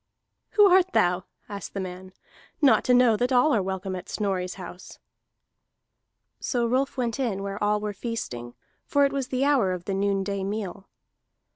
"Who art thou," asked the man, "not to know that all are welcome at Snorri's house?" So Rolf went in where all were feasting, for it was the hour of the noonday meal.